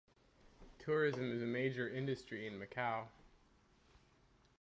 Tourism is a major industry in Macau.